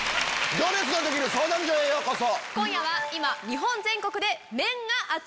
『行列のできる相談所』へようこそ。